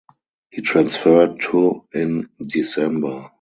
He transferred to in December.